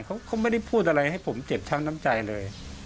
เขาก็ไม่ได้พูดอะไรให้ผมเจ็บช้ำน้ำใจเลย